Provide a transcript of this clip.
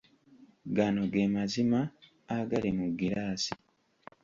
Gano gemazima agali mu giraasi.